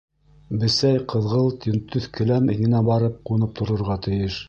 Бесәй ҡыҙғылт йөнтәҫ келәм иңенә барып ҡунып торорға тейеш!